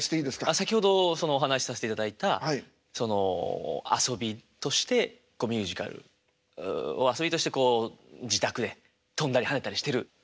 先ほどお話しさせていただいたその遊びとしてミュージカル遊びとしてこう自宅で跳んだり跳ねたりしてる。